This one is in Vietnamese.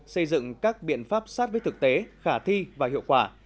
xây dựng các biện pháp sát với thực tế khả thi và hiệu quả